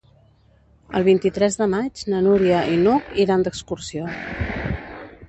El vint-i-tres de maig na Núria i n'Hug iran d'excursió.